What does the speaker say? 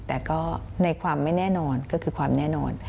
แต่ก็ในความไม่แน่นอนก็คือความแน่นอน